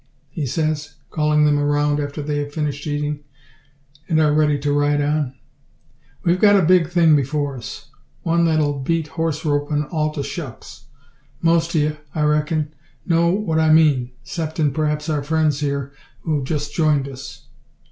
he says, calling them around after they have finished eating, and are ready to ride on, "We've got a big thing before us one that'll beat horse ropin' all to shucks. Most o' ye, I reckin, know what I mean; 'ceptin', perhaps, our friends here, who've just joined us."